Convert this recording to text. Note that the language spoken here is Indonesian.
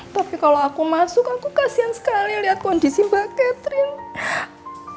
tapi kalau aku masuk aku kasian sekali lihat kondisi mbak catherine